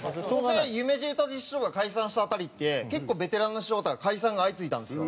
ゆめじ・うたじ師匠が解散した辺りって結構ベテランの師匠とか解散が相次いだんですよ。